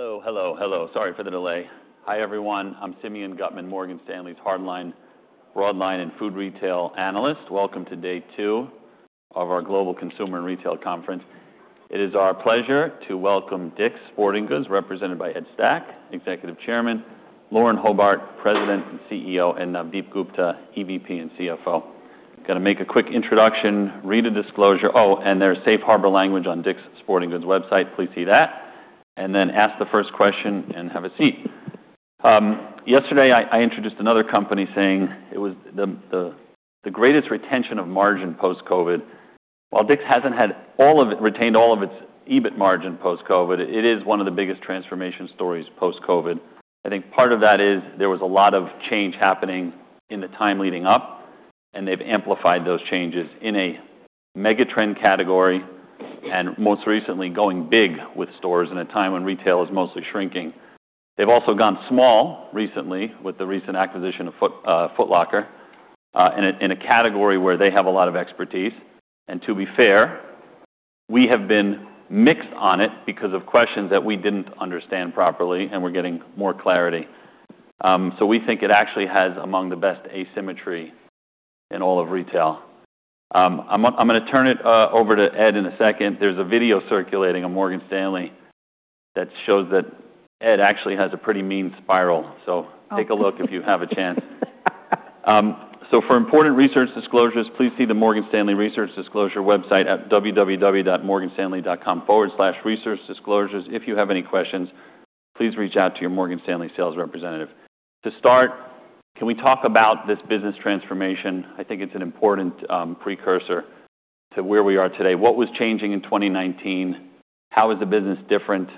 Hello, hello, hello. Sorry for the delay. Hi, everyone. I'm Simeon Gutman, Morgan Stanley's hardline, broadline, and food retail analyst. Welcome to day two of our Global Consumer and Retail Conference. It is our pleasure to welcome DICK'S Sporting Goods, represented by Ed Stack, Executive Chairman, Lauren Hobart, President and CEO, and Navdeep Gupta, EVP and CFO. I'm going to make a quick introduction, read a disclosure, oh, and there's safe harbor language on DICK'S Sporting Goods website, please see that, and then ask the first question and have a seat. Yesterday, I introduced another company saying it was the greatest retention of margin post-COVID. While DICK'S hasn't retained all of its EBIT margin post-COVID, it is one of the biggest transformation stories post-COVID. I think part of that is there was a lot of change happening in the time leading up, and they've amplified those changes in a mega-trend category and most recently going big with stores in a time when retail is mostly shrinking. They've also gone small recently with the recent acquisition of Foot Locker in a category where they have a lot of expertise, and to be fair, we have been mixed on it because of questions that we didn't understand properly, and we're getting more clarity, so we think it actually has among the best asymmetry in all of retail. I'm going to turn it over to Ed in a second. There's a video circulating on Morgan Stanley that shows that Ed actually has a pretty mean spiral, so take a look if you have a chance. So for important research disclosures, please see the Morgan Stanley Research Disclosure website at www.morganstanley.com/researchdisclosures. If you have any questions, please reach out to your Morgan Stanley sales representative. To start, can we talk about this business transformation? I think it's an important precursor to where we are today. What was changing in 2019? How is the business different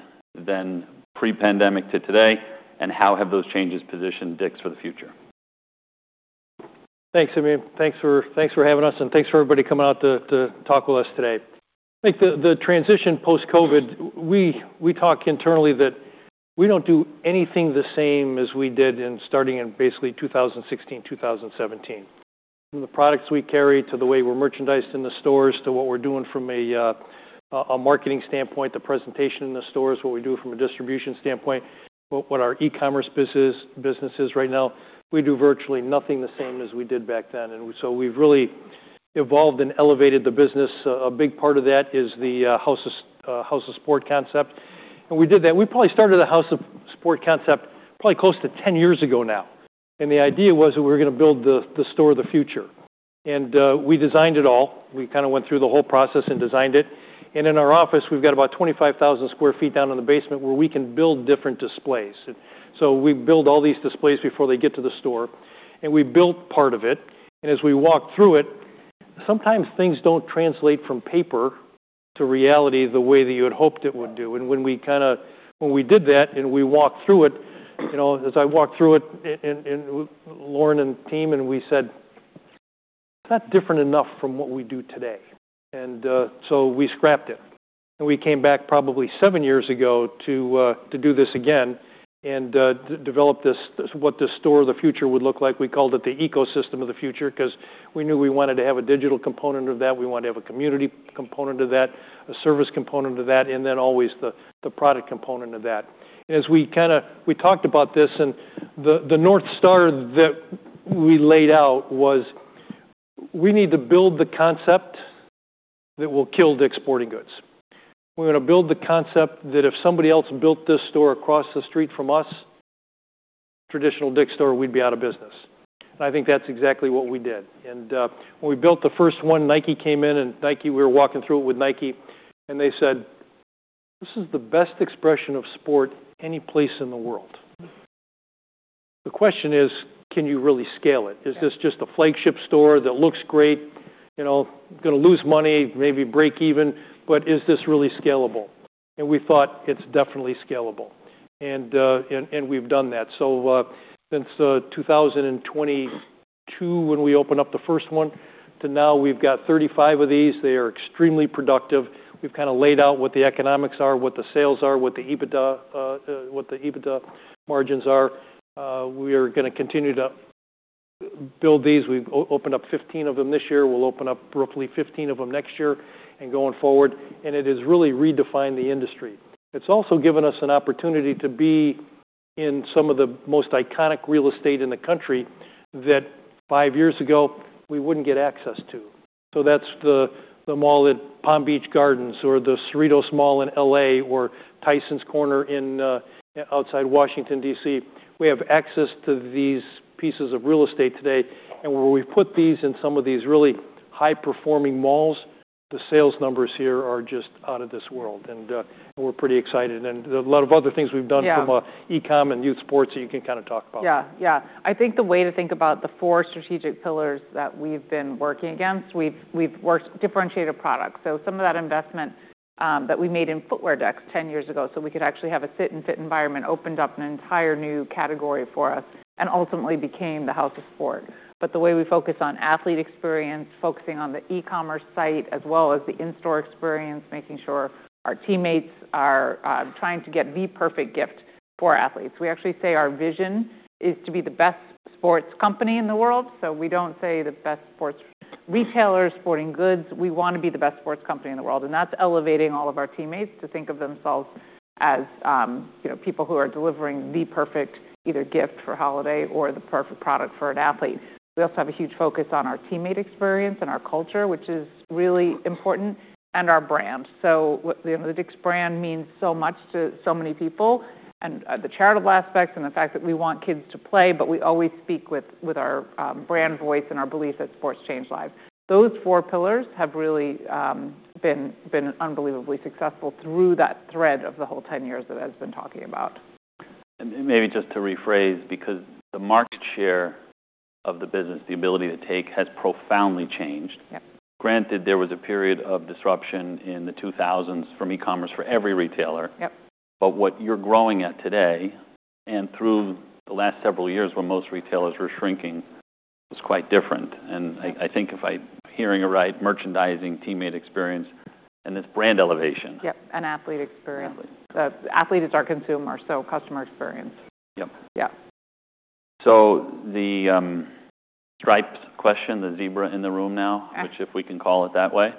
than pre-pandemic to today? And how have those changes positioned DICK'S for the future? Thanks, Simeon. Thanks for having us, and thanks for everybody coming out to talk with us today. I think the transition post-COVID, we talk internally that we don't do anything the same as we did starting in basically 2016, 2017. From the products we carry to the way we're merchandising in the stores to what we're doing from a marketing standpoint, the presentation in the stores, what we do from a distribution standpoint, what our e-commerce business is right now, we do virtually nothing the same as we did back then. And so we've really evolved and elevated the business. A big part of that is the House of Sport concept. And we did that. We probably started the House of Sport concept probably close to 10 years ago now. And the idea was that we were going to build the store of the future. And we designed it all. We kind of went through the whole process and designed it, and in our office, we've got about 25,000 sq ft down in the basement where we can build different displays. We build all these displays before they get to the store, and we built part of it. As we walked through it, sometimes things don't translate from paper to reality the way that you had hoped it would do. When we kind of did that and we walked through it, as I walked through it, Lauren and team and we said, "It's not different enough from what we do today," so we scrapped it. We came back probably seven years ago to do this again and develop what the store of the future would look like. We called it the ecosystem of the future because we knew we wanted to have a digital component of that. We wanted to have a community component of that, a service component of that, and then always the product component of that. And as we kind of, we talked about this, and the North Star that we laid out was we need to build the concept that will kill DICK'S Sporting Goods. We're going to build the concept that if somebody else built this store across the street from us, a traditional DICK'S store, we'd be out of business. And I think that's exactly what we did. And when we built the first one, Nike came in, and we were walking through it with Nike, and they said, "This is the best expression of sport any place in the world." The question is, can you really scale it? Is this just a flagship store that looks great, going to lose money, maybe break even but is this really scalable and we thought it's definitely scalable and we've done that so since 2022, when we opened up the first one, to now we've got 35 of these. They are extremely productive. We've kind of laid out what the economics are, what the sales are, what the EBITDA margins are. We are going to continue to build these. We've opened up 15 of them this year. We'll open up roughly 15 of them next year and going forward and it has really redefined the industry. It's also given us an opportunity to be in some of the most iconic real estate in the country that five years ago we wouldn't get access to. That's the mall at Palm Beach Gardens or the Cerritos Mall in LA or Tysons Corner outside Washington, DC. We have access to these pieces of real estate today, where we've put these in some of these really high-performing malls, the sales numbers here are just out of this world, and we're pretty excited, and there are a lot of other things we've done from e-com and youth sports that you can kind of talk about. Yeah. Yeah. I think the way to think about the four strategic pillars that we've been working against, we've differentiated products. So some of that investment that we made in footwear decks 10 years ago so we could actually have a sit-and-fit environment opened up an entire new category for us and ultimately became the House of Sport. But the way we focus on athlete experience, focusing on the e-commerce site as well as the in-store experience, making sure our teammates are trying to get the perfect gift for athletes. We actually say our vision is to be the best sports company in the world. So we don't say the best sports retailers, sporting goods. We want to be the best sports company in the world. That's elevating all of our teammates to think of themselves as people who are delivering the perfect either gift for holiday or the perfect product for an athlete. We also have a huge focus on our teammate experience and our culture, which is really important, and our brand. The DICK'S brand means so much to so many people and the charitable aspects and the fact that we want kids to play, but we always speak with our brand voice and our belief that sports change lives. Those four pillars have really been unbelievably successful through that thread of the whole 10 years that Ed's been talking about. And maybe just to rephrase, because the market share of the business, the ability to take, has profoundly changed. Granted, there was a period of disruption in the 2000s from e-commerce for every retailer. But what you're growing at today and through the last several years when most retailers were shrinking was quite different. And I think if I'm hearing it right, merchandising, teammate experience, and this brand elevation. Yep, and athlete experience. Athlete is our consumer, so customer experience. Yep. Yep. So the Stripes question, the zebra in the room now, which if we can call it that way.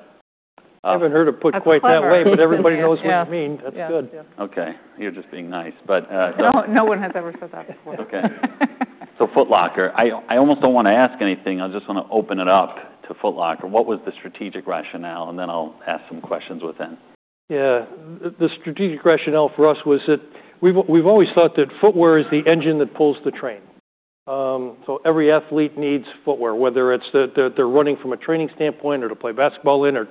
I haven't heard it put quite that way, but everybody knows what you mean. That's good. Okay. You're just being nice. No one has ever said that before. Okay. So Foot Locker. I almost don't want to ask anything. I just want to open it up to Foot Locker. What was the strategic rationale? And then I'll ask some questions within. Yeah. The strategic rationale for us was that we've always thought that footwear is the engine that pulls the train. So every athlete needs footwear, whether it's that they're running from a training standpoint or to play basketball in, or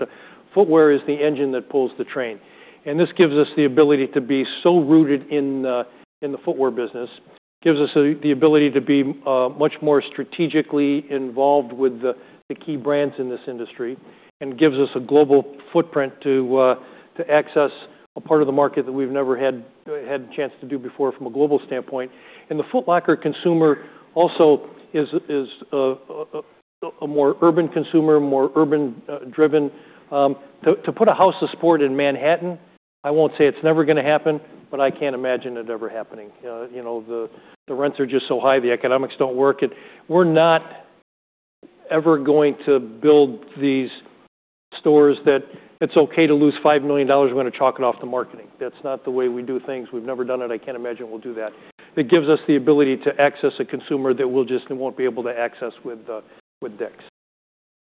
footwear is the engine that pulls the train. And this gives us the ability to be so rooted in the footwear business, gives us the ability to be much more strategically involved with the key brands in this industry, and gives us a global footprint to access a part of the market that we've never had a chance to do before from a global standpoint. And the Foot Locker consumer also is a more urban consumer, more urban-driven. To put a House of Sport in Manhattan, I won't say it's never going to happen, but I can't imagine it ever happening. The rents are just so high. The economics don't work. We're not ever going to build these stores that it's okay to lose $5 million. We're going to chalk it off to marketing. That's not the way we do things. We've never done it. I can't imagine we'll do that. It gives us the ability to access a consumer that we just won't be able to access with DICK'S.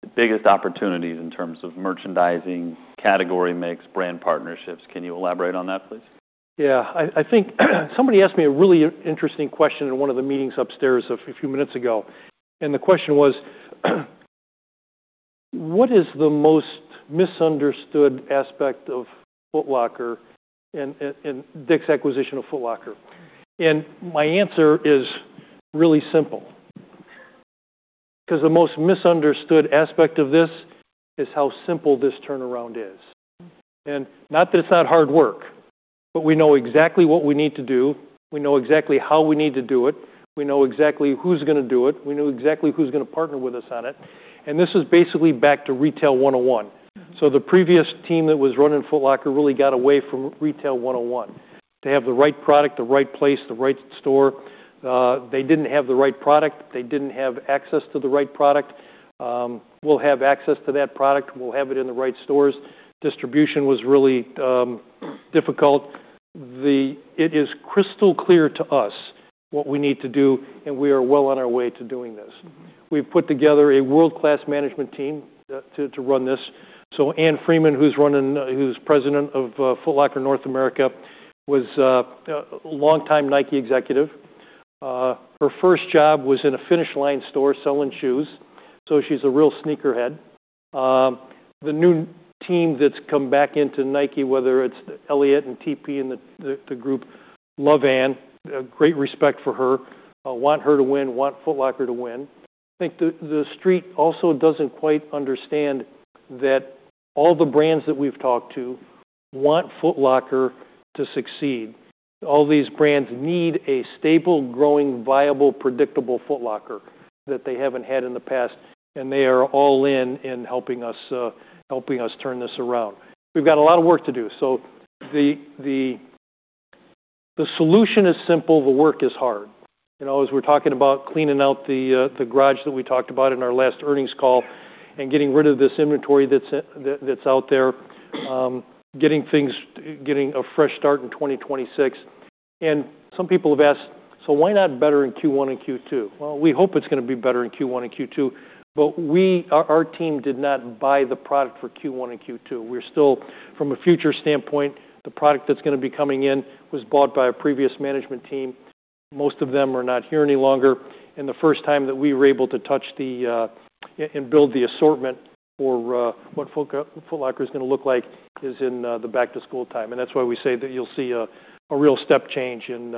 The biggest opportunities in terms of merchandising, category mix, brand partnerships. Can you elaborate on that, please? Yeah. I think somebody asked me a really interesting question in one of the meetings upstairs a few minutes ago. And the question was, what is the most misunderstood aspect of Foot Locker and DICK'S acquisition of Foot Locker? And my answer is really simple. Because the most misunderstood aspect of this is how simple this turnaround is. And not that it's not hard work, but we know exactly what we need to do. We know exactly how we need to do it. We know exactly who's going to do it. We know exactly who's going to partner with us on it. And this is basically back to Retail 101. So the previous team that was running Foot Locker really got away from Retail 101 to have the right product, the right place, the right store. They didn't have the right product. They didn't have access to the right product. We'll have access to that product. We'll have it in the right stores. Distribution was really difficult. It is crystal clear to us what we need to do, and we are well on our way to doing this. We've put together a world-class management team to run this. So Anne Freeman, who's president of Foot Locker North America, was a longtime Nike executive. Her first job was in a Finish Line store selling shoes. So she's a real sneakerhead. The new team that's come back into Nike, whether it's Elliott and TP and the group, love Anne. Great respect for her. Want her to win. Want Foot Locker to win. I think the street also doesn't quite understand that all the brands that we've talked to want Foot Locker to succeed. All these brands need a stable, growing, viable, predictable Foot Locker that they haven't had in the past. They are all in helping us turn this around. We've got a lot of work to do. So the solution is simple. The work is hard. As we're talking about cleaning out the garage that we talked about in our last earnings call and getting rid of this inventory that's out there, getting a fresh start in 2026. And some people have asked, "So why not better in Q1 and Q2?" Well, we hope it's going to be better in Q1 and Q2. But our team did not buy the product for Q1 and Q2. We're still, from a future standpoint, the product that's going to be coming in was bought by a previous management team. Most of them are not here any longer. The first time that we were able to touch and build the assortment for what Foot Locker is going to look like is in the back-to-school time. That's why we say that you'll see a real step change in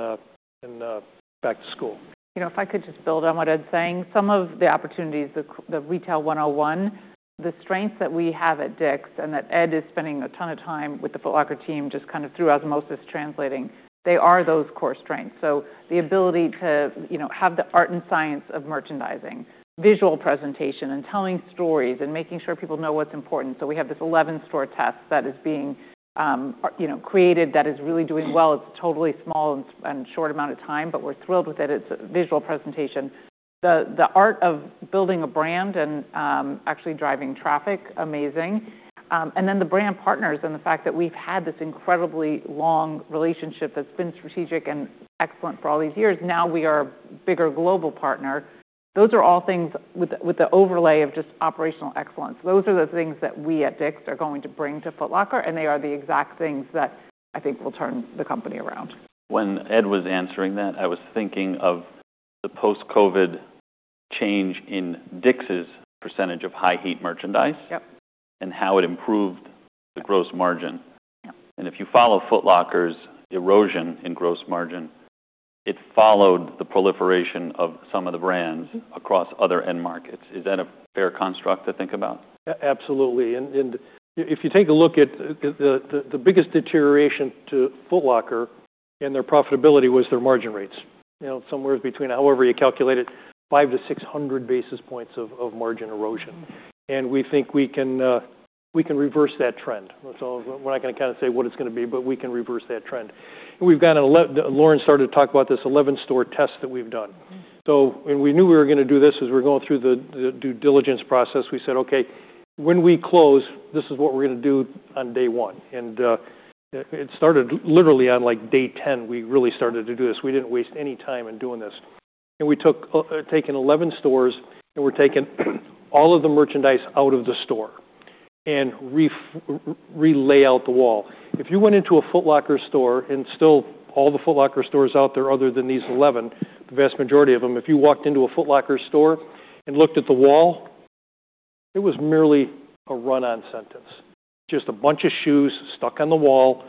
back-to-school. If I could just build on what Ed's saying, some of the opportunities, the Retail 101, the strengths that we have at DICK'S and that Ed is spending a ton of time with the Foot Locker team just kind of through osmosis translating, they are those core strengths. So the ability to have the art and science of merchandising, visual presentation, and telling stories and making sure people know what's important. So we have this 11-store test that is being created that is really doing well. It's a totally small and short amount of time, but we're thrilled with it. It's a visual presentation. The art of building a brand and actually driving traffic, amazing. And then the brand partners and the fact that we've had this incredibly long relationship that's been strategic and excellent for all these years. Now we are a bigger global partner. Those are all things with the overlay of just operational excellence. Those are the things that we at DICK'S are going to bring to Foot Locker, and they are the exact things that I think will turn the company around. When Ed was answering that, I was thinking of the post-COVID change in DICK'S's percentage of high-heat merchandise and how it improved the gross margin. And if you follow Foot Locker's erosion in gross margin, it followed the proliferation of some of the brands across other end markets. Is that a fair construct to think about? Absolutely. And if you take a look at the biggest deterioration to Foot Locker and their profitability was their margin rates. Somewhere between, however you calculate it, 500-600 basis points of margin erosion. And we think we can reverse that trend. So we're not going to kind of say what it's going to be, but we can reverse that trend. And as Lauren started to talk about this 11-store test that we've done. So when we knew we were going to do this, as we're going through the due diligence process, we said, "Okay. When we close, this is what we're going to do on day one." And it started literally on day 10. We really started to do this. We didn't waste any time in doing this. We took 11 stores and we're taking all of the merchandise out of the store and relaid out the wall. If you went into a Foot Locker store and saw all the Foot Locker stores out there other than these 11, the vast majority of them, if you walked into a Foot Locker store and looked at the wall, it was merely a run-on sentence. Just a bunch of shoes stuck on the wall,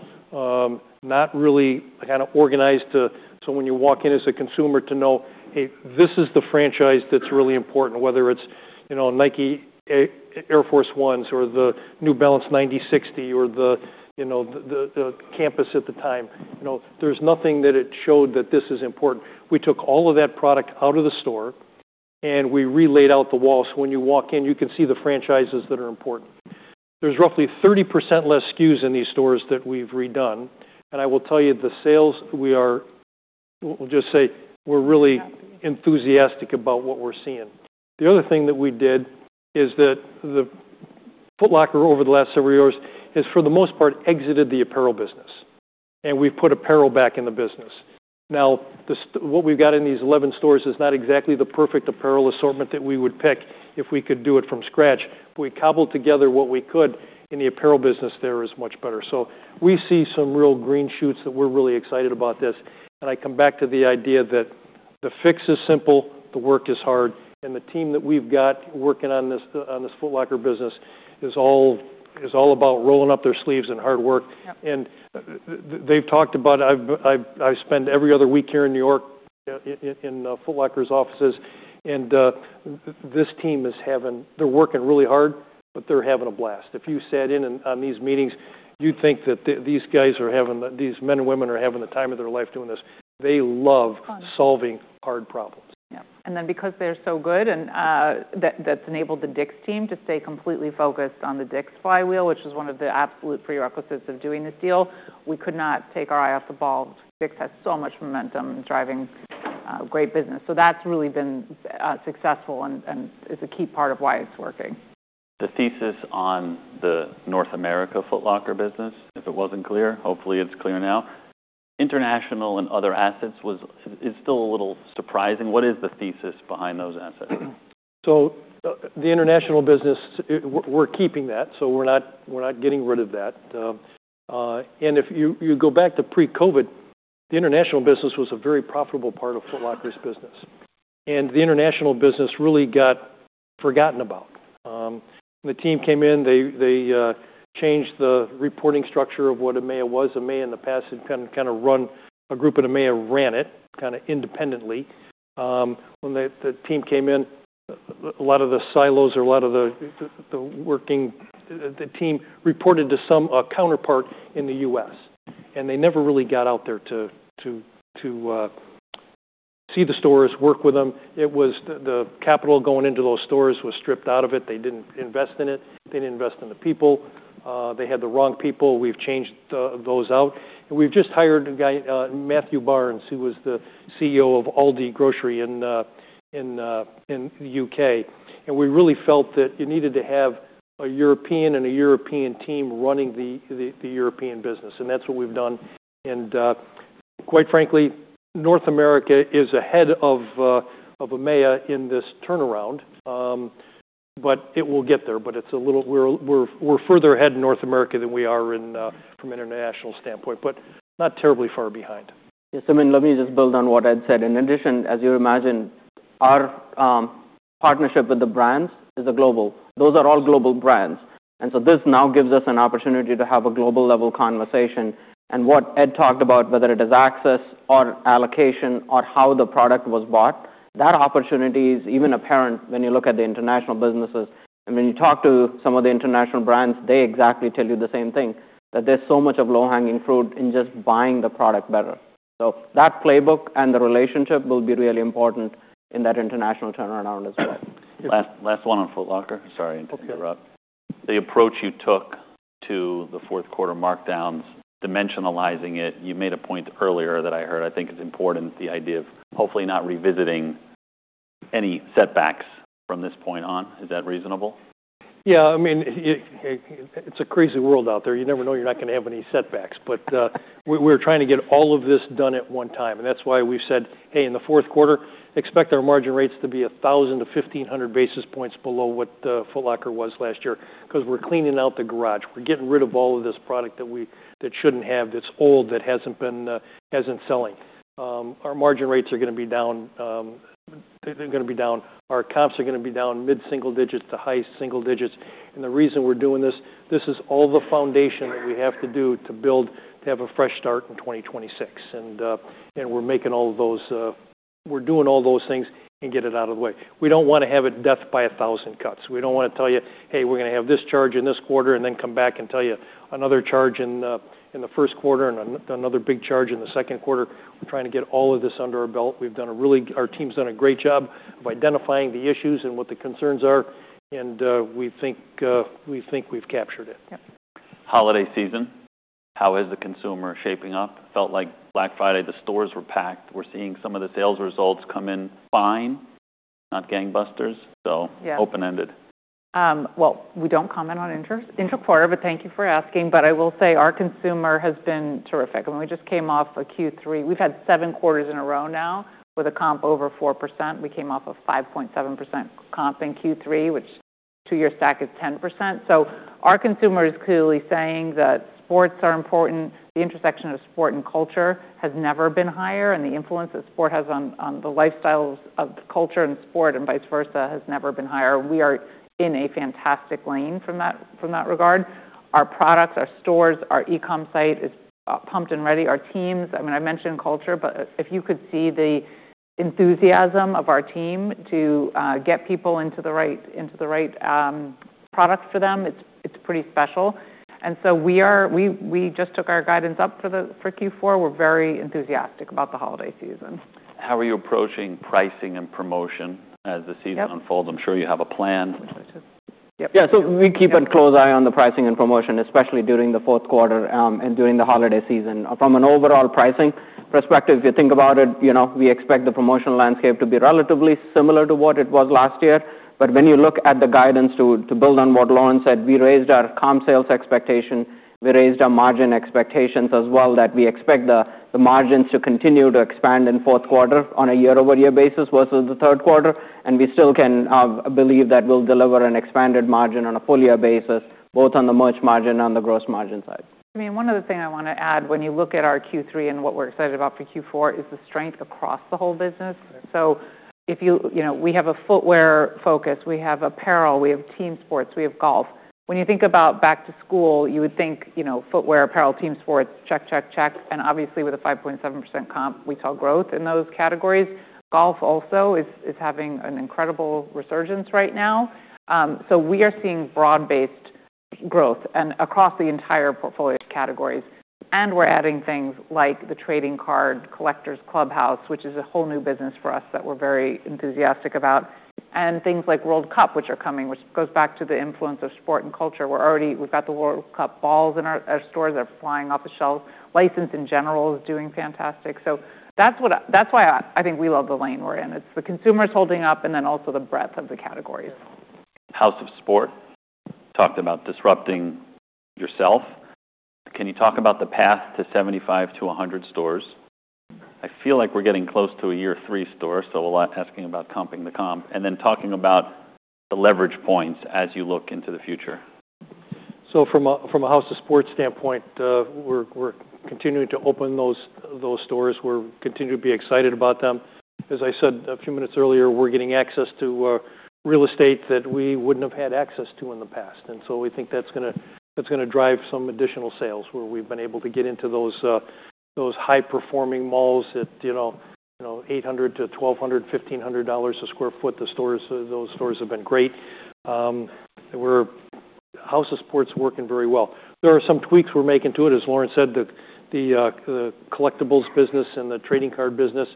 not really kind of organized, so when you walk in as a consumer to know, "Hey, this is the franchise that's really important," whether it's Nike Air Force 1s or the New Balance 9060 or the Adidas Campus at the time. There's nothing that it showed that this is important. We took all of that product out of the store and we relaid out the wall. When you walk in, you can see the franchises that are important. There's roughly 30% less SKUs in these stores that we've redone. And I will tell you, the sales, we are, we'll just say we're really enthusiastic about what we're seeing. The other thing that we did is that the Foot Locker over the last several years has, for the most part, exited the apparel business. And we've put apparel back in the business. Now, what we've got in these 11 stores is not exactly the perfect apparel assortment that we would pick if we could do it from scratch. But we cobbled together what we could in the apparel business. There is much better. So we see some real green shoots that we're really excited about this. And I come back to the idea that the fix is simple, the work is hard. And the team that we've got working on this Foot Locker business is all about rolling up their sleeves and hard work. And they've talked about it. I spend every other week here in New York in Foot Locker's offices. And this team is having. They're working really hard, but they're having a blast. If you sat in on these meetings, you'd think that these guys, these men and women, are having the time of their life doing this. They love solving hard problems. Yep, and then because they're so good and that's enabled the DICK'S team to stay completely focused on the DICK'S flywheel, which was one of the absolute prerequisites of doing this deal, we could not take our eye off the ball. DICK'S has so much momentum driving great business, so that's really been successful and is a key part of why it's working. The thesis on the North America Foot Locker business, if it wasn't clear, hopefully it's clear now. International and other assets was still a little surprising. What is the thesis behind those assets? The international business, we're keeping that. We're not getting rid of that. If you go back to pre-COVID, the international business was a very profitable part of Foot Locker's business. The international business really got forgotten about. The team came in. They changed the reporting structure of what EMEA was. EMEA in the past had kind of run a group, and EMEA ran it kind of independently. When the team came in, a lot of the silos or a lot of the working the team reported to some counterpart in the U.S. They never really got out there to see the stores, work with them. The capital going into those stores was stripped out of it. They didn't invest in it. They didn't invest in the people. They had the wrong people. We've changed those out. We've just hired a guy, Matthew Barnes, who was the CEO of Aldi in the U.K. We really felt that you needed to have a European and a European team running the European business. That's what we've done. Quite frankly, North America is ahead of EMEA in this turnaround. It will get there. It's a little, we're further ahead in North America than we are from an international standpoint, but not terribly far behind. Yes. I mean, let me just build on what Ed said. In addition, as you imagine, our partnership with the brands is global. Those are all global brands. And so this now gives us an opportunity to have a global-level conversation. And what Ed talked about, whether it is access or allocation or how the product was bought, that opportunity is even apparent when you look at the international businesses. And when you talk to some of the international brands, they exactly tell you the same thing, that there's so much of low-hanging fruit in just buying the product better. So that playbook and the relationship will be really important in that international turnaround as well. Last one on Foot Locker. Sorry to interrupt. The approach you took to the fourth quarter markdowns, dimensionalizing it, you made a point earlier that I heard. I think it's important the idea of hopefully not revisiting any setbacks from this point on. Is that reasonable? Yeah. I mean, it's a crazy world out there. You never know you're not going to have any setbacks. But we're trying to get all of this done at one time. And that's why we've said, "Hey, in the fourth quarter, expect our margin rates to be 1,000-1,500 basis points below what Foot Locker was last year." Because we're cleaning out the garage. We're getting rid of all of this product that shouldn't have, that's old, that hasn't been selling. Our margin rates are going to be down. They're going to be down. Our comps are going to be down mid-single digits to high single digits. And the reason we're doing this, this is all the foundation that we have to do to build to have a fresh start in 2026. We're making all of those. We're doing all those things and get it out of the way. We don't want to have it death by 1,000 cuts. We don't want to tell you, "Hey, we're going to have this charge in this quarter," and then come back and tell you another charge in the first quarter and another big charge in the second quarter. We're trying to get all of this under our belt. Our team's done a great job of identifying the issues and what the concerns are. We think we've captured it. Holiday season. How is the consumer shaping up? Felt like Black Friday, the stores were packed. We're seeing some of the sales results come in fine, not gangbusters. So open-ended. We don't comment on interquarter, but thank you for asking. I will say our consumer has been terrific. I mean, we just came off a Q3. We've had seven quarters in a row now with a comp over 4%. We came off a 5.7% comp in Q3, which two-year stack is 10%. So our consumer is clearly saying that sports are important. The intersection of sport and culture has never been higher. The influence that sport has on the lifestyles of culture and sport and vice versa has never been higher. We are in a fantastic lane in that regard. Our products, our stores, our e-comm site is pumped and ready. Our teams, I mean, I mentioned culture, but if you could see the enthusiasm of our team to get people into the right product for them, it's pretty special. We just took our guidance up for Q4. We're very enthusiastic about the holiday season. How are you approaching pricing and promotion as the season unfolds? I'm sure you have a plan. Yeah. So we keep a close eye on the pricing and promotion, especially during the fourth quarter and during the holiday season. From an overall pricing perspective, if you think about it, we expect the promotional landscape to be relatively similar to what it was last year. But when you look at the guidance to build on what Lauren said, we raised our comp sales expectation. We raised our margin expectations as well that we expect the margins to continue to expand in fourth quarter on a year-over-year basis versus the third quarter. And we still can believe that we'll deliver an expanded margin on a full-year basis, both on the merch margin and on the gross margin side. I mean, one other thing I want to add, when you look at our Q3 and what we're excited about for Q4 is the strength across the whole business. So we have a footwear focus. We have apparel. We have team sports. We have golf. When you think about back-to-school, you would think footwear, apparel, team sports, check, check, check. And obviously, with a 5.7% comp, we saw growth in those categories. Golf also is having an incredible resurgence right now. So we are seeing broad-based growth across the entire portfolio categories. And we're adding things like the Trading Card Collectors Clubhouse, which is a whole new business for us that we're very enthusiastic about. And things like World Cup, which are coming, which goes back to the influence of sport and culture. We've got the World Cup Balls in our stores that are flying off the shelves. Licensed in general is doing fantastic. So that's why I think we love the lane we're in. It's the consumers holding up and then also the breadth of the categories. House of Sport talked about disrupting yourself. Can you talk about the path to 75-100 stores? I feel like we're getting close to a year three store, so a lot asking about comping the comp and then talking about the leverage points as you look into the future. So from a House of Sport standpoint, we're continuing to open those stores. We're continuing to be excited about them. As I said a few minutes earlier, we're getting access to real estate that we wouldn't have had access to in the past. And so we think that's going to drive some additional sales where we've been able to get into those high-performing malls at $800-$1,200, $1,500 a sq ft. Those stores have been great. House of Sport's working very well. There are some tweaks we're making to it. As Lauren said, the collectibles business and the trading card business,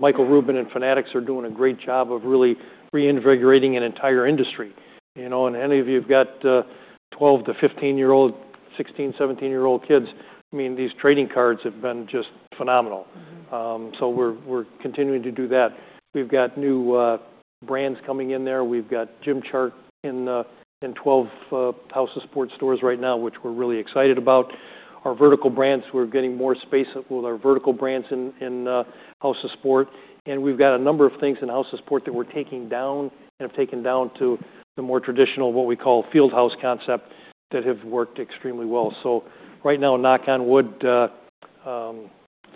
Michael Rubin and Fanatics are doing a great job of really reinvigorating an entire industry. And any of you who've got 12-15-year-old, 16, 17-year-old kids, I mean, these trading cards have been just phenomenal. So we're continuing to do that. We've got new brands coming in there. We've got Gymshark in 12 House of Sport stores right now, which we're really excited about. Our vertical brands, we're getting more space with our vertical brands in House of Sport. And we've got a number of things in House of Sport that we're taking down and have taken down to the more traditional, what we call Fieldhouse concept that have worked extremely well. So right now, knock on wood,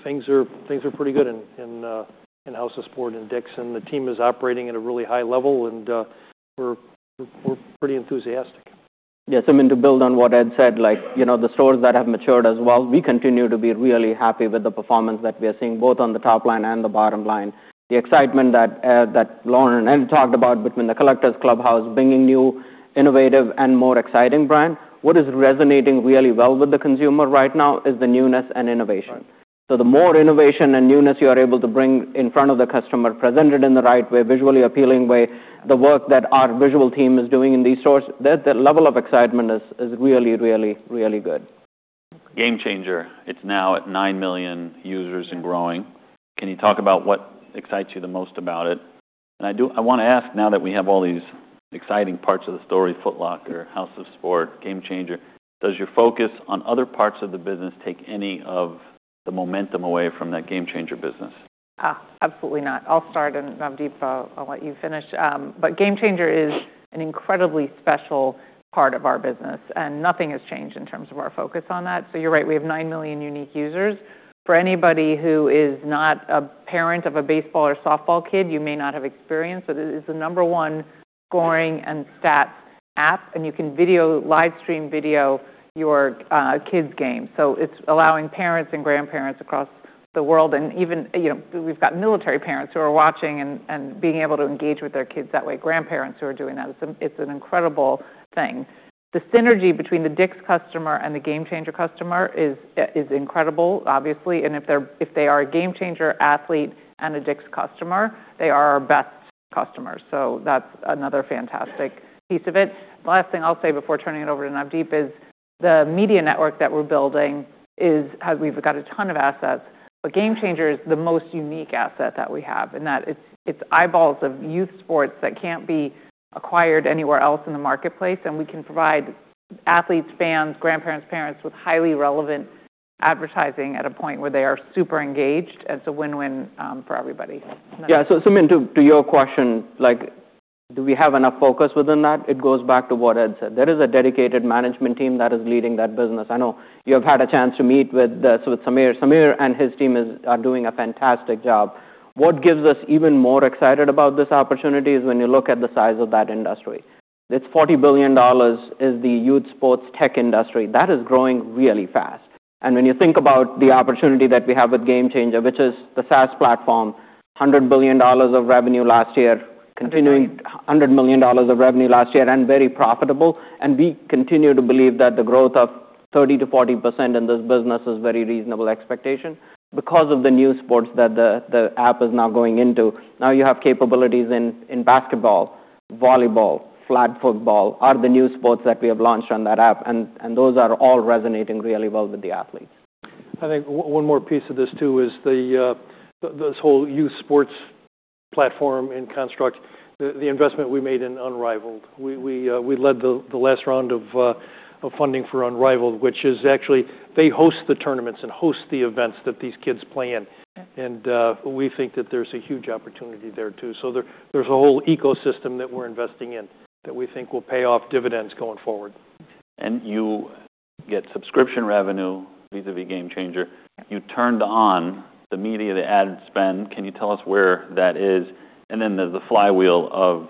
things are pretty good in House of Sport and DICK'S. And the team is operating at a really high level. And we're pretty enthusiastic. Yes. I mean, to build on what Ed said, the stores that have matured as well, we continue to be really happy with the performance that we are seeing both on the top line and the bottom line. The excitement that Lauren and Ed talked about between the collectors clubhouse, bringing new, innovative, and more exciting brands, what is resonating really well with the consumer right now is the newness and innovation. So the more innovation and newness you are able to bring in front of the customer, presented in the right way, visually appealing way, the work that our visual team is doing in these stores, the level of excitement is really, really, really good. GameChanger. It's now at nine million users and growing. Can you talk about what excites you the most about it? And I want to ask now that we have all these exciting parts of the story, Foot Locker, House of Sport, GameChanger, does your focus on other parts of the business take any of the momentum away from that GameChanger business? Absolutely not. I'll start, and Navdeep, I'll let you finish, but GameChanger is an incredibly special part of our business, and nothing has changed in terms of our focus on that. You're right. We have nine million unique users. For anybody who is not a parent of a baseball or softball kid, you may not have experienced, but it is the number one scoring and stats app, and you can live stream video your kids' game. It's allowing parents and grandparents across the world, and even we've got military parents who are watching and being able to engage with their kids that way, grandparents who are doing that. It's an incredible thing. The synergy between the DICK'S customer and the GameChanger customer is incredible, obviously, and if they are a GameChanger athlete and a DICK'S customer, they are our best customers. So that's another fantastic piece of it. Last thing I'll say before turning it over to Navdeep is the media network that we're building is we've got a ton of assets. But GameChanger is the most unique asset that we have. And it's eyeballs of youth sports that can't be acquired anywhere else in the marketplace. And we can provide athletes, fans, grandparents, parents with highly relevant advertising at a point where they are super engaged. And it's a win-win for everybody. Yeah. To your question, do we have enough focus within that? It goes back to what Ed said. There is a dedicated management team that is leading that business. I know you have had a chance to meet with Samir. Samir and his team are doing a fantastic job. What gives us even more excited about this opportunity is when you look at the size of that industry. It's $40 billion is the youth sports tech industry. That is growing really fast, and when you think about the opportunity that we have with GameChanger, which is the SaaS platform, $100 billion of revenue last year, continuing $100 million of revenue last year, and very profitable, and we continue to believe that the growth of 30%-40% in this business is a very reasonable expectation because of the new sports that the app is now going into. Now you have capabilities in basketball, volleyball, flag football are the new sports that we have launched on that app, and those are all resonating really well with the athletes. I think one more piece of this too is this whole youth sports platform, including GameChanger, the investment we made in Unrivaled. We led the last round of funding for Unrivaled, which is actually they host the tournaments and host the events that these kids play in. And we think that there's a huge opportunity there too. So there's a whole ecosystem that we're investing in that we think will pay off dividends going forward. And you get subscription revenue vis-à-vis GameChanger. You turned on the media, the ad spend. Can you tell us where that is? And then there's the flywheel of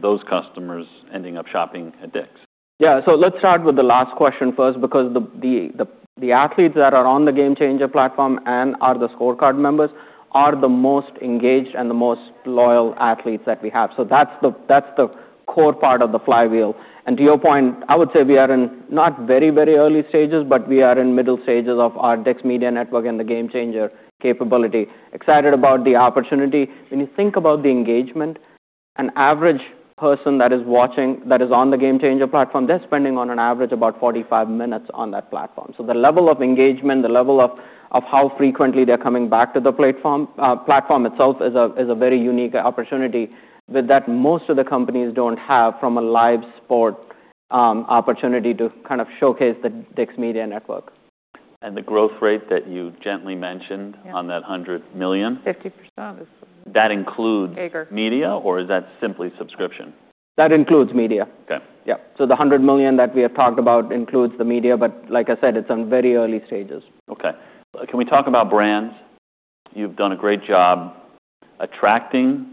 those customers ending up shopping at DICK'S. Yeah, so let's start with the last question first because the athletes that are on the GameChanger platform and are the scorecard members are the most engaged and the most loyal athletes that we have, so that's the core part of the flywheel, and to your point, I would say we are in not very, very early stages, but we are in middle stages of our DICK'S Media Network and the GameChanger capability. Excited about the opportunity. When you think about the engagement, an average person that is watching that is on the GameChanger platform, they're spending on an average about 45 minutes on that platform. So the level of engagement, the level of how frequently they're coming back to the platform itself is a very unique opportunity that most of the companies don't have from a live sports opportunity to kind of showcase the DICK'S Media Network. The growth rate that you gently mentioned on that $ 100 million. 50%. That includes media or is that simply subscription? That includes media. Okay. Yeah. So the $100 million that we have talked about includes the media. But like I said, it's on very early stages. Okay. Can we talk about brands? You've done a great job attracting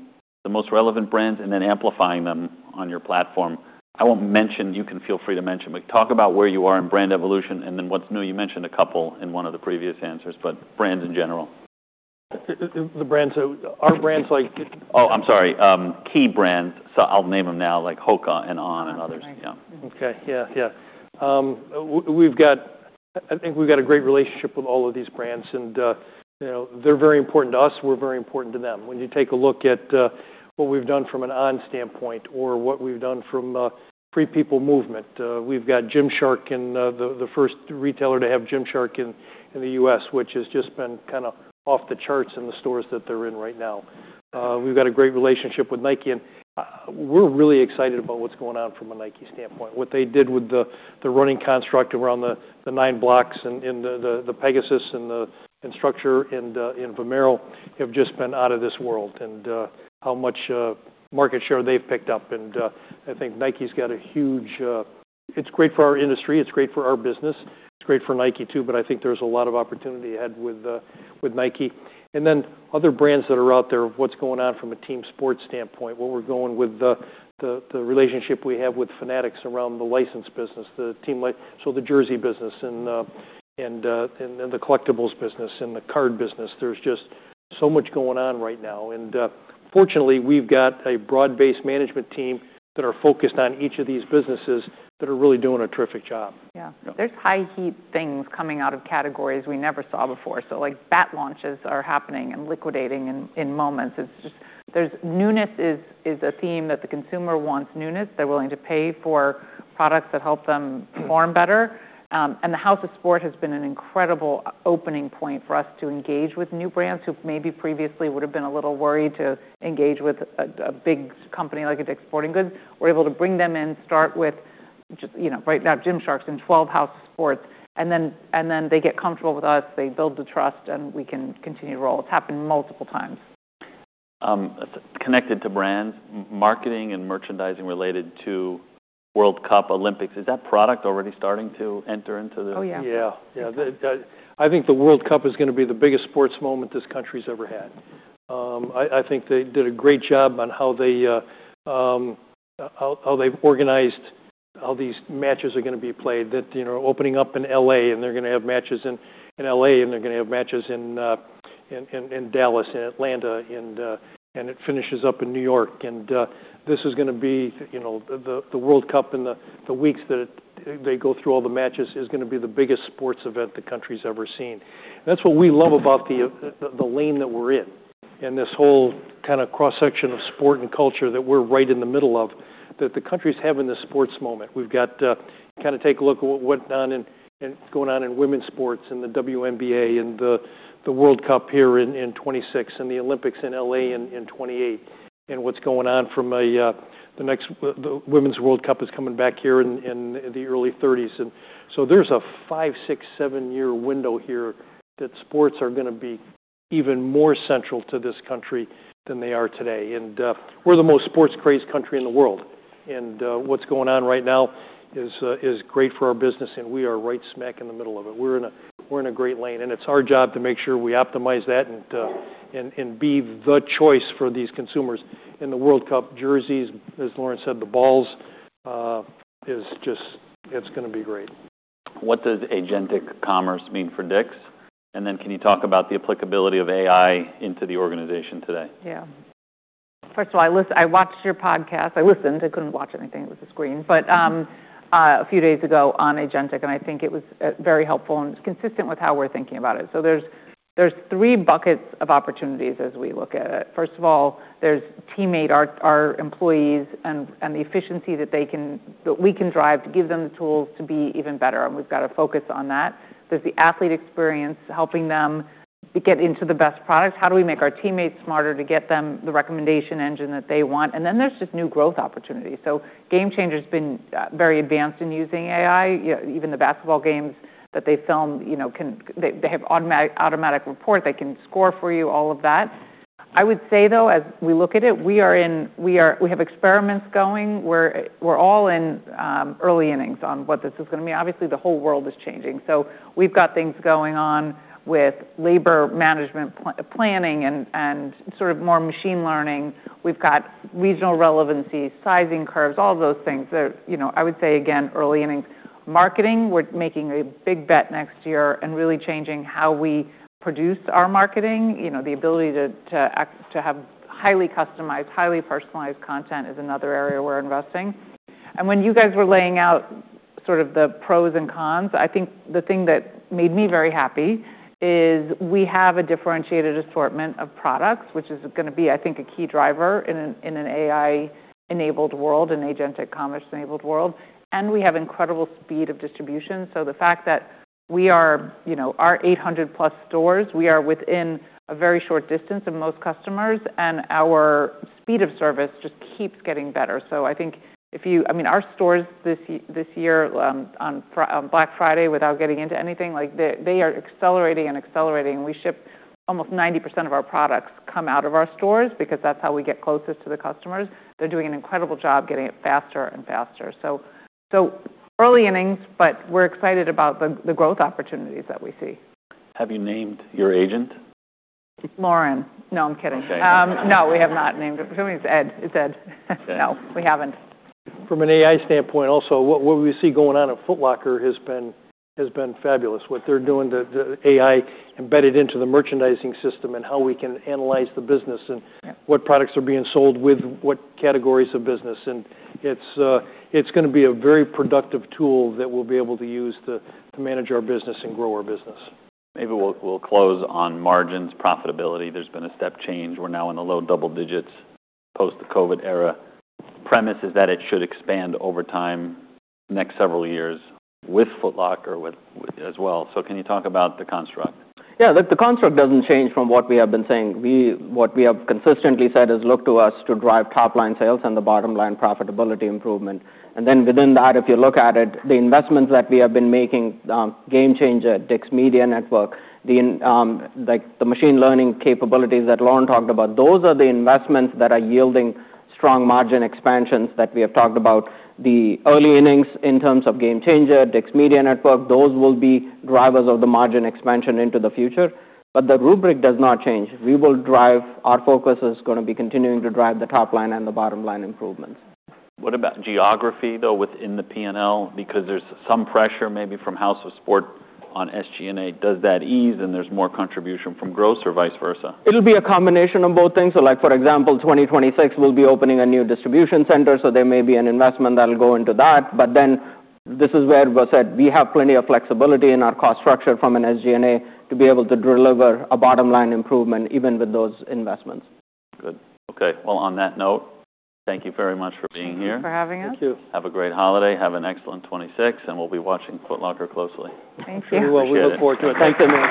the most relevant brands and then amplifying them on your platform. I won't mention, you can feel free to mention. Talk about where you are in brand evolution and then what's new. You mentioned a couple in one of the previous answers, but brands in general. The brands. Our brands like. Oh, I'm sorry. Key brands. So I'll name them now like HOKA and On and others. Yeah. Okay. Yeah. Yeah. I think we've got a great relationship with all of these brands. And they're very important to us. We're very important to them. When you take a look at what we've done from an On standpoint or what we've done from Free People Movement, we've got Gymshark and the first retailer to have Gymshark in the U.S., which has just been kind of off the charts in the stores that they're in right now. We've got a great relationship with Nike. And we're really excited about what's going on from a Nike standpoint. What they did with the running construct around the Nike blocks and the Pegasus and the Structure and Vomero have just been out of this world and how much market share they've picked up. And I think Nike's got a huge it's great for our industry. It's great for our business. It's great for Nike too. But I think there's a lot of opportunity ahead with Nike. And then other brands that are out there, what's going on from a team sports standpoint, what we're going with the relationship we have with Fanatics around the license business, the team, so the jersey business and the collectibles business and the card business. There's just so much going on right now. And fortunately, we've got a broad-based management team that are focused on each of these businesses that are really doing a terrific job. Yeah. There's high-heat things coming out of categories we never saw before. So like bat launches are happening and liquidating in moments. There's newness is a theme that the consumer wants newness. They're willing to pay for products that help them perform better. And the House of Sport has been an incredible opening point for us to engage with new brands who maybe previously would have been a little worried to engage with a big company like DICK'S Sporting Goods. We're able to bring them in. Start with right now Gymshark's in 12 Houses of Sport. And then they get comfortable with us. They build the trust. And we can continue to roll. It's happened multiple times. Connected to brands, marketing and merchandising related to World Cup, Olympics. Is that product already starting to enter into the? Oh, yeah. Yeah. Yeah. I think the World Cup is going to be the biggest sports moment this country's ever had. I think they did a great job on how they've organized how these matches are going to be played, that opening up in LA and they're going to have matches in LA and they're going to have matches in Dallas and Atlanta and it finishes up in New York. And this is going to be the World Cup in the weeks that they go through all the matches is going to be the biggest sports event the country's ever seen. And that's what we love about the lane that we're in and this whole kind of cross-section of sport and culture that we're right in the middle of that the country's having this sports moment. We've got to kind of take a look at what's going on in women's sports and the WNBA and the World Cup here in 2026 and the Olympics in LA in 2028 and what's going on from the next Women's World Cup is coming back here in the early 2030s, and so there's a five, six, seven-year window here that sports are going to be even more central to this country than they are today, and we're the most sports-crazed country in the world, and what's going on right now is great for our business, and we are right smack in the middle of it. We're in a great lane, and it's our job to make sure we optimize that and be the choice for these consumers in the World Cup. Jerseys, as Lauren said, the balls is just it's going to be great. What does agentic commerce mean for DICK'S? And then can you talk about the applicability of AI into the organization today? Yeah. First of all, I watched your podcast. I listened. I couldn't watch anything. It was a screen. But a few days ago on Agentic. And I think it was very helpful and consistent with how we're thinking about it. So there's three buckets of opportunities as we look at it. First of all, there's teammate, our employees and the efficiency that we can drive to give them the tools to be even better. And we've got to focus on that. There's the athlete experience helping them get into the best products. How do we make our teammates smarter to get them the recommendation engine that they want? And then there's just new growth opportunities. So GameChanger has been very advanced in using AI. Even the basketball games that they film, they have automatic report. They can score for you, all of that. I would say though, as we look at it, we have experiments going. We're all in early innings on what this is going to be. Obviously, the whole world is changing. So we've got things going on with labor management planning and sort of more machine learning. We've got regional relevancy, sizing curves, all of those things. I would say, again, early innings. Marketing, we're making a big bet next year and really changing how we produce our marketing. The ability to have highly customized, highly personalized content is another area we're investing. And when you guys were laying out sort of the pros and cons, I think the thing that made me very happy is we have a differentiated assortment of products, which is going to be, I think, a key driver in an AI-enabled world, an agentic commerce-enabled world. And we have incredible speed of distribution. So, the fact that we are our 800+ stores, we are within a very short distance of most customers. And our speed of service just keeps getting better. So I think if you I mean, our stores this year on Black Friday, without getting into anything, they are accelerating and accelerating. And we ship almost 90% of our products come out of our stores because that's how we get closest to the customers. They're doing an incredible job getting it faster and faster. So early innings, but we're excited about the growth opportunities that we see. Have you named your agent? Lauren. No, I'm kidding. Okay. No, we have not named him. His name is Ed. It's Ed. No, we haven't. From an AI standpoint also, what we see going on at Foot Locker has been fabulous. What they're doing, the AI embedded into the merchandising system and how we can analyze the business and what products are being sold with what categories of business, and it's going to be a very productive tool that we'll be able to use to manage our business and grow our business. Maybe we'll close on margins, profitability. There's been a step change. We're now in the low double digits post the COVID era. Premise is that it should expand over time next several years with Foot Locker as well. So can you talk about the Construct? Yeah. The construct doesn't change from what we have been saying. What we have consistently said is look to us to drive top-line sales and the bottom-line profitability improvement. And then within that, if you look at it, the investments that we have been making, GameChanger, DICK'S Media Network, the machine learning capabilities that Lauren talked about, those are the investments that are yielding strong margin expansions that we have talked about. The early innings in terms of GameChanger, DICK'S Media Network, those will be drivers of the margin expansion into the future. But the rubric does not change. We will drive our focus is going to be continuing to drive the top-line and the bottom-line improvements. What about geography though within the P&L? Because there's some pressure maybe from House of Sport on SG&A. Does that ease and there's more contribution from gross or vice versa? It'll be a combination of both things. So for example, 2026, we'll be opening a new distribution center. So there may be an investment that'll go into that. But then this is where we said we have plenty of flexibility in our cost structure from an SG&A to be able to deliver a bottom-line improvement even with those investments. Good. Okay. Well, on that note, thank you very much for being here. Thank you for having us. Thank you. Have a great holiday. Have an excellent 2026, and we'll be watching Foot Locker closely. Thank you. We look forward to it. Thank you.